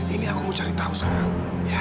ini aku mau cari tahu sekarang